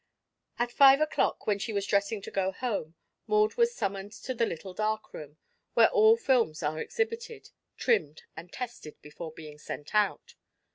At five o'clock, when she was dressing to go home, Maud was summoned to the little "dark room" where all films are exhibited, trimmed and tested before being sent out.